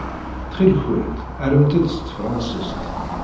Ttxil-kent, rremt-d s tefṛansist.